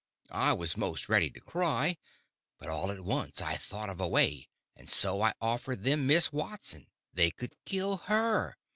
I was most ready to cry; but all at once I thought of a way, and so I offered them Miss Watson—they could kill her.